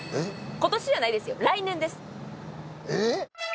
今年じゃないですよ来年ですえっ！？